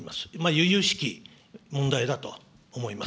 ゆゆしき問題だと思います。